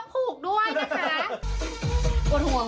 ครูดห่วงครูดหัวแม่